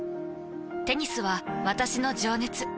テニスは私の情熱。